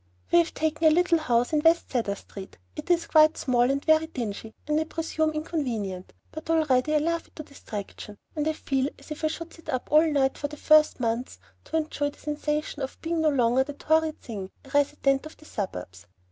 We have taken a little house in West Cedar Street. It is quite small and very dingy and I presume inconvenient, but I already love it to distraction, and feel as if I should sit up all night for the first month to enjoy the sensation of being no longer that horrid thing, a resident of the suburbs.